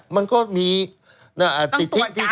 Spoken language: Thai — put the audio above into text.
มันก็มีสิทธิที่จะตรวจ